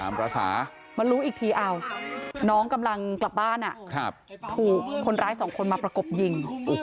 มารู้อีกทีน้องกำลังกลับบ้านถูกคนร้ายสองคนมาประกบยิง